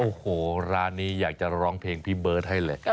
โอ้โหร้านนี้อยากจะร้องเพลงพี่เบิร์ตให้เลย